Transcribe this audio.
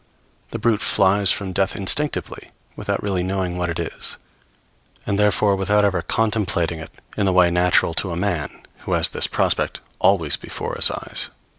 The brute flies from death instinctively without really knowing what it is, and therefore without ever contemplating it in the way natural to a man, who has this prospect always before his eyes.